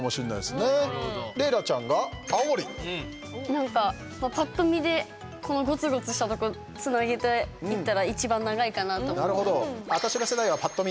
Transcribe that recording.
何かパッと見でこのごつごつした所つなげていったら一番長いかなと思ったので。